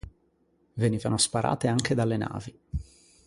Venivano sparate anche dalle navi.